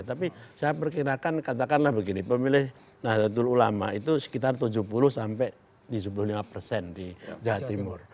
tapi saya perkirakan katakanlah begini pemilih nahdlatul ulama itu sekitar tujuh puluh sampai tujuh puluh lima persen di jawa timur